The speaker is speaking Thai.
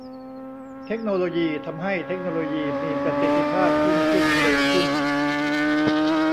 เทคโนโลยีทำให้เทคโนโลยีมีประสิทธิภาพยิ่งขึ้นเร็วขึ้น